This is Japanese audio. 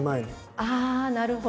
ああなるほど。